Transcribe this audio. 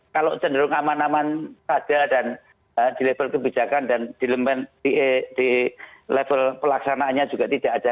kalau cenderung aman aman saja dan di level kebijakan dan di level pelaksanaannya juga tidak ada